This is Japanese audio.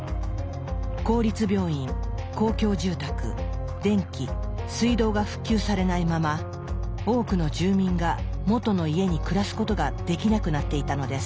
公立病院公共住宅電気水道が復旧されないまま多くの住民が元の家に暮らすことができなくなっていたのです。